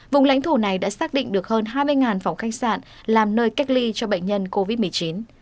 vùng lãnh thổ này đã xác định được hơn hai mươi phòng khách sạn làm nơi cách ly cho bệnh nhân covid một mươi chín